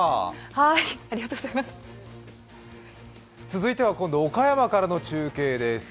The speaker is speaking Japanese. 続いては岡山からの中継です。